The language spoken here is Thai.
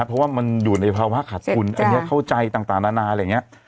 เพราะว่ามันอยู่ในภาวะขาดทุนอันนี้เข้าใจต่างนานาอะไรอย่างนี้